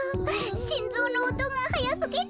しんぞうのおとがはやすぎる。